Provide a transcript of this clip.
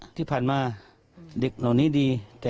ก็คุณตามมาอยู่กรงกีฬาดครับ